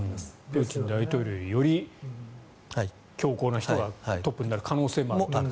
プーチン大統領より強硬な人がトップになる可能性もある。